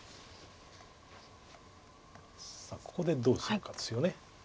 さあここでどうするかですよね。